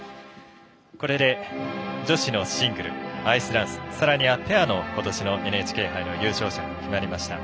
これで、女子のシングルアイスダンスさらにはペアのことしのＮＨＫ杯の優勝者が決まりました。